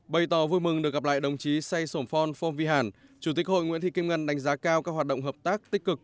bày tỏ vui mừng được gặp lại đồng chí say sổn phon phong vi hàn chủ tịch hội nguyễn thị kim ngân đánh giá cao các hoạt động hợp tác tích cực